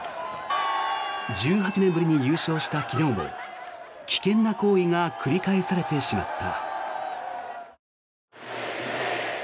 １８年ぶりに優勝した昨日も危険な行為が繰り返されてしまった。